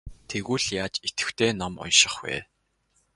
Тэгвэл яаж идэвхтэй ном унших вэ?